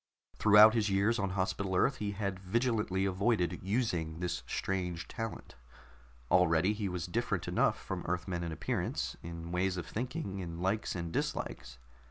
Throughout his years on Hospital Earth he had vigilantly avoided using this strange talent. Already he was different enough from Earthmen in appearance, in ways of thinking, in likes and dislikes.